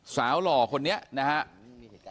หล่อคนนี้นะครับ